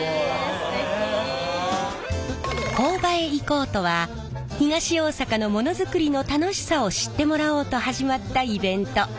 「こーばへ行こう！」とは東大阪のモノづくりの楽しさを知ってもらおうと始まったイベント。